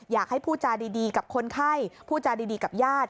อยากให้พูดจาดีกับคนไข้ผู้จาดีกับญาติ